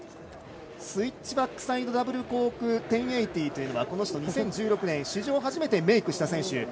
スイッチバックサイドダブルコーク１０８０というのはこの人は２０１６年に史上初めてメイクした選手。